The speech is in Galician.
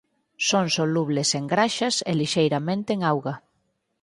Son solubles en graxas e lixeiramente en agua.